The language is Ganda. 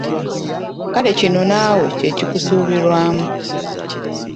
Kale kino naawe kye kikusuubirwamu.